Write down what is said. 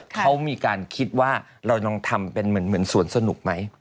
เขามีการคิดว่าเราลองทำเป็นเหมือนสวนสนุกไหม